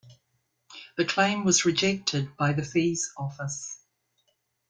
The claim was rejected by the Fees Office.